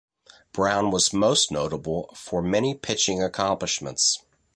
Brown was most notable for many pitching accomplishments.